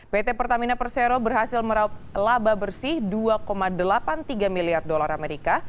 pt pertamina persero berhasil meraup laba bersih dua delapan puluh tiga miliar dolar amerika